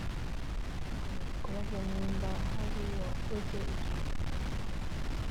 Yakomeje kubaza nimba haruwakoze ibyiruka ryamaheru